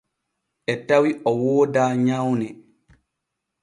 E tawi o wooda nyawne.